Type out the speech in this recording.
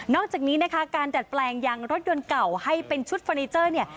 จากนี้นะคะการดัดแปลงยางรถยนต์เก่าให้เป็นชุดเฟอร์นิเจอร์เนี่ย